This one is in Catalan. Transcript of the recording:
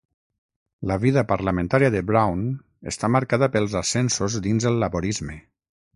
La vida parlamentària de Brown està marcada pels ascensos dins el laborisme.